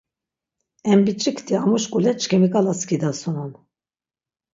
Em biç̆ikti amuş k̆ule çkimi k̆ala skidasunon.